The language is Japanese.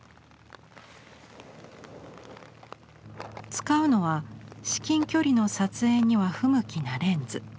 使うのは至近距離の撮影には不向きなレンズ。